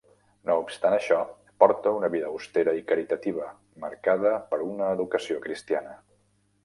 No obstant això, porta una vida austera i caritativa, marcada per una educació cristiana.